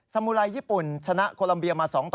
มุไรญี่ปุ่นชนะโคลัมเบียมา๒ต่อ